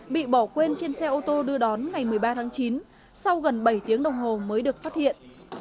bị bỏ quên trên xe ô tô đưa đón ngày một mươi ba tháng chín sau gần bảy tiếng đồng hồ mới được phát hiện